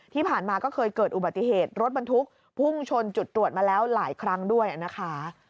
ที่ผ่านมาก็เคยเกิดอุบัติเหตุรถบรรทุกพุ่งชนจุดตรวจมาแล้วหลายครั้งด้วยนะคะ